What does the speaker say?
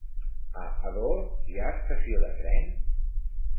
A Ador hi ha estació de tren?